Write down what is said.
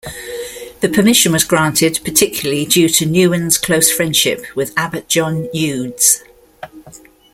The permission was granted particularly due to Nouwen's close friendship with Abbot John Eudes.